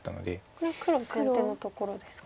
これ黒が先手のところですか。